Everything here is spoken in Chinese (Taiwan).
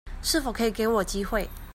是否可以給我機會